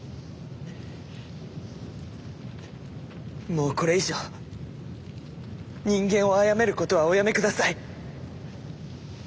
もうこれ以上人間を殺めることはおやめください。